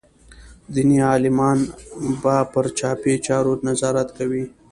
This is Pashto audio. دیني عالمان به پر چاپي چارو نظارت کوي.